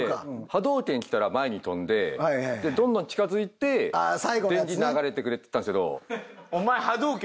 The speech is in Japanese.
波動拳来たら前に跳んでどんどん近づいて電気流してくれって言ったんですけど。